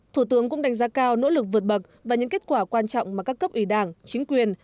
thủ tướng cũng đánh giá cao nỗ lực vượt bậc và những kết quả quan trọng mà các cấp ủy đảng chính quyền